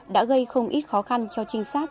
đã gây không ít khó khăn cho trinh sát